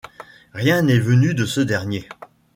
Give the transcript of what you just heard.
Rien n'est venu de ce dernier.